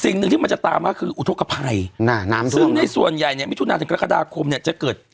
สิ่งหนึ่งที่มันจะตามมาคืออุทธกภัยซึ่งในส่วนใหญ่เนี่ยมิถุนาถึงกรกฎาคมเนี่ยจะเกิด